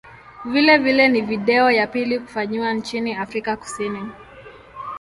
Vilevile ni video ya pili kufanyiwa nchini Afrika Kusini.